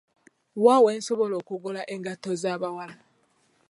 Wa wensobola okugula engato z'abawala?